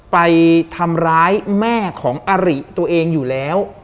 ไปทำร้ายแม่ของอริตัวเองอยู่แล้ว